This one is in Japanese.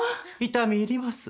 痛み入ります。